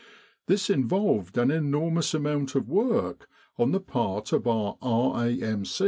This involved an enormous amount of work on the part of our R.A.M.